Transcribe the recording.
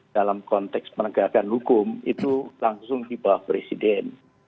dalam konteks penegakan hukum itu langsung di bawah presiden